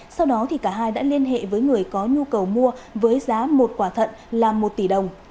sau đó cả hai đã liên hệ với người có nhu cầu mua với giá một quả thận là một tỷ đồng